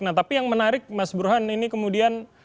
nah tapi yang menarik mas burhan ini kemudian